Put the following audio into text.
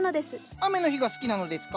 雨の日が好きなのですか？